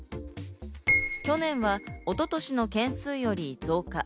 去年は一昨年の件数より増加。